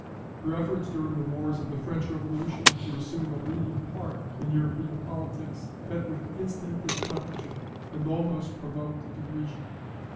Her efforts during the wars of the French revolution to assume a leading part in European politics, met with instant discomfiture, and almost provoked derision.